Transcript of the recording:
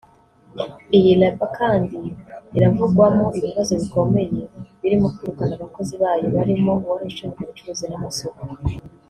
Iyi label kandi iravugwamo ibibazo bikomeye birimo kwirukana abakozi bayo barimo uwari ushinzwe ubucuruzi n’amasoko